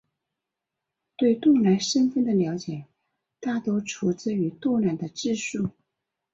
对杜兰身份的了解大多出自于杜兰的自述。